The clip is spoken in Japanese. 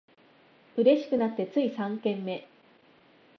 嬉しくなってつい三軒目